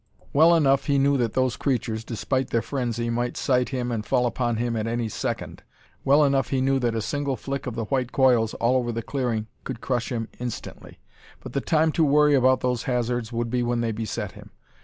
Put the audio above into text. Well enough he knew that those creatures, despite their frenzy, might sight him and fall upon him at any second; well enough he knew that a single flick of the white coils all over the clearing could crush him instantly. But the time to worry about those hazards would be when they beset him.